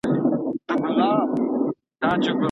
ایا په ډله کي کار کول د زغم کچه لوړوي.